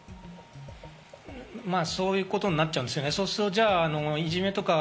まぁ、そういうことになっちゃうんですよね。